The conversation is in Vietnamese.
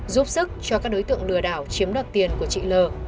giúp sức cho các đối tượng lừa đảo chiếm đoạt tiền của chị l